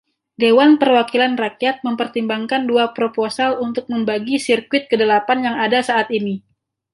Dewan Perwakilan Rakyat mempertimbangkan dua proposal untuk membagi Sirkuit Kedelapan yang ada saat ini.